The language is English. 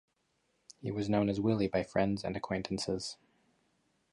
He was known as Willie by friends and acquaintances.